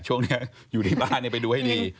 ช่วงนี้อยู่ที่บ้านไปดูให้ดี